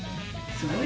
△すごい。